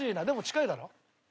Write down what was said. でも近いだろ？